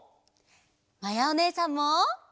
まやおねえさんも！